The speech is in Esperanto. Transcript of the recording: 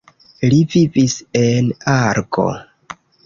Li vivis en Argo.